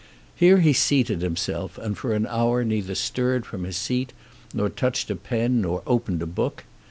Here he seated himself, and for an hour neither stirred from his seat, nor touched a pen, nor opened a book.